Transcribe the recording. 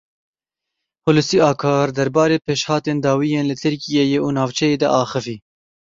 Hulusî Akar derbarê pêşhatên dawî yên li Tirkiyeyê û navçeyê de axivî.